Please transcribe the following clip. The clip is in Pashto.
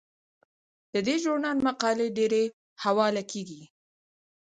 د دې ژورنال مقالې ډیرې حواله کیږي.